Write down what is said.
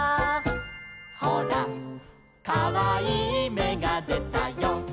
「ほらかわいいめがでたよ」